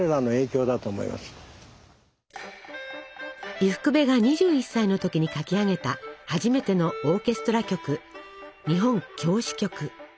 伊福部が２１歳の時に書き上げた初めてのオーケストラ曲「日本狂詩曲」。